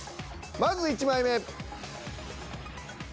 まず１枚目。